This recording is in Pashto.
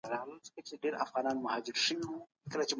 ژوند له سولي سره خوشبو